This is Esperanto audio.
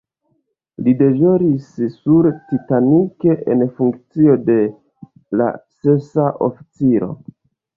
Li deĵoris sur "Titanic" en funkcio de la sesa oficiro.